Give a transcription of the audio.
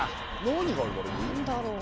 ・何だろう？